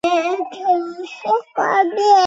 锚杆于转向架左右两侧的配置多为相对位置。